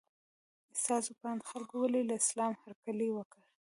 ستاسو په اند خلکو ولې له اسلام هرکلی وکړ؟